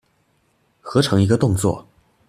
合成一個動作